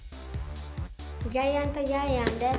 ジャイアントジャイアンです。